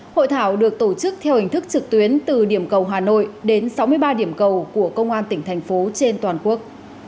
hội thảo được tổ chức theo hình thức trực tuyến từ điểm cầu hà nội đến sáu mươi ba điểm cầu của công an tỉnh thành phố trên toàn quốc